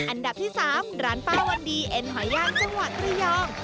อันดับที่๓ร้านป้าวันดีเอ็นหอยย่างจังหวัดระยอง